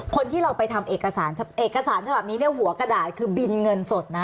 คนที่เราไปทำเอกสารเอกสารฉบับนี้เนี่ยหัวกระดาษคือบินเงินสดนะ